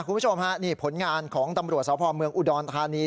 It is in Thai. คุณผู้ชมฮะนี่ผลงานของตำรวจสพเมืองอุดรธานี